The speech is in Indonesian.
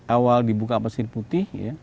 awal dibuka pasir putih ya